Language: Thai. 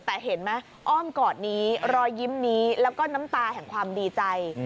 แต่เห็นไหมอ้อมกอดนี้รอยยิ้มนี้แล้วก็น้ำตาแห่งความดีใจ